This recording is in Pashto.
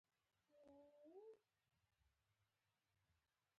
دلته هر فرد ازادي ولري.